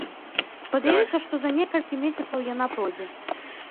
Спадзяюся, што за некалькі месяцаў яна пройдзе.